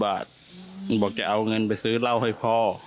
บอกจะเอาเงินไปซื้อเหล้าให้พ่อ